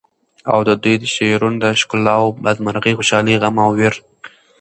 او ددوی د شعرونو د ښکلاوو بد مرغي، خوشالی، غم او وېر